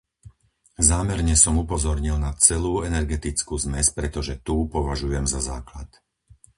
Zámerne som upozornil na celú energetickú zmes, pretože tú považujem za základ.